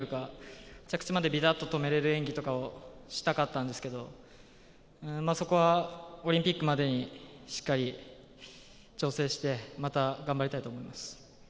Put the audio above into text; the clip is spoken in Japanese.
個人的にはもうちょっといい演技がというか、着地までピタッと止められる演技とかをしたかったんですけど、そこはオリンピックまでにしっかり調整して、また頑張りたいと思います。